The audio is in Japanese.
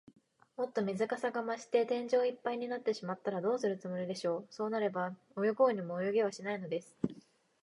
もっと水かさが増して、天井いっぱいになってしまったら、どうするつもりでしょう。そうなれば、泳ごうにも泳げはしないのです。